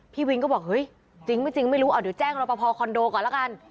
พี่วินก็บอกเฮ้ยจริงไม่จริงไม่รู้เดี๋ยวแจ้งรอปภคอนโดก่อนละกัน